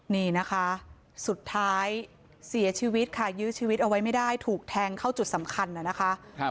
นี่นะคะสุดท้ายเสียชีวิตค่ะยื้อชีวิตเอาไว้ไม่ได้ถูกแทงเข้าจุดสำคัญน่ะนะคะ